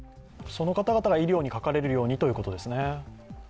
その方々が医療にかかれるようにということですね。